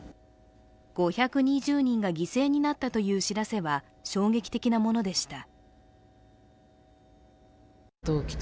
５２０人が犠牲になったという知らせは衝撃的なものでした。